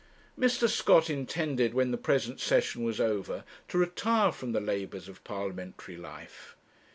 Mr. Scott intended, when the present session was over, to retire from the labours of parliamentary life.